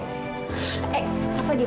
eh kak fadil